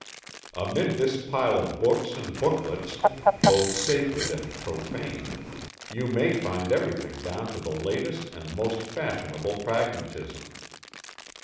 Amid this pile of books and booklets, both sacred and profane, you may find everything down to the latest and most fashionable pragmatism.